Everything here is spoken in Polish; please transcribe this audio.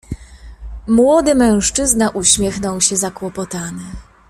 "Młody mężczyzna, uśmiechnął się zakłopotany."